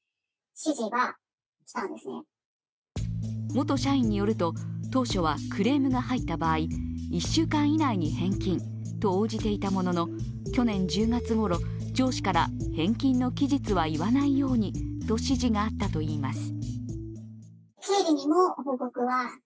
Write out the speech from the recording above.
元社員によると、当初はクレームが入った場合１週間以内に返金と応じていたものの去年１０月ごろ、上司から返金の期日は言わないようにと指示があったと言います。